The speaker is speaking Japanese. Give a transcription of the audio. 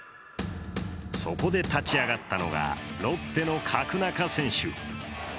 そこで立ち上がったのが、ロッテの角中選手。